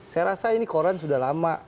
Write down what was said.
saya rasa ini koran sudah lama